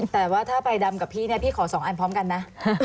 แต่ว่าถ้าใบดำกับพี่เนี่ยพี่ขอ๒อันพร้อมกันนะ